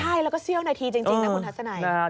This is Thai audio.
ใช่แล้วก็เสี้ยวนาทีจริงนะคุณทัศนัย